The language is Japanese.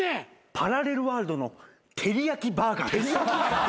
パラレルワールドのてりやきバーガーです。